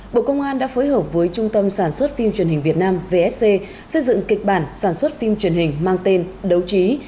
bộ công an đã phối hợp với trung tâm sản xuất phim truyền hình việt nam vfc xây dựng kịch bản sản xuất phim truyền hình mang tên đấu trí